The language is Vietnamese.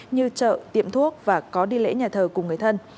như trợ tiệm thuốc và có đi lễ nhà thờ cùng người thân